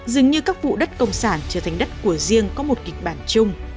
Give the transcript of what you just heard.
dường như các vụ đất công sản trở thành đất của riêng có một kịch bản chung